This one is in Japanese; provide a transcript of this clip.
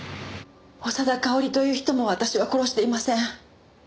長田かおりという人も私は殺していません。